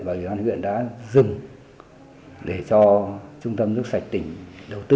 và ủy ban huyện đã dừng để cho trung tâm nước sạch tỉnh đầu tư